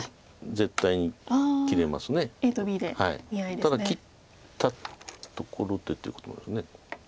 ただ切ったところでということもあります。